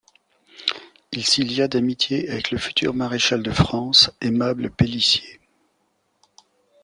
Il s'y lia d'amitié avec le futur maréchal de France Aimable Pélissier.